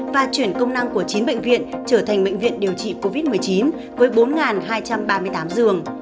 và chuyển công năng của chín bệnh viện trở thành bệnh viện điều trị covid một mươi chín với bốn hai trăm ba mươi tám giường